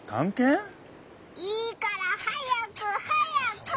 いいから早く早く！